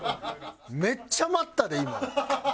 めっちゃ待ったで今。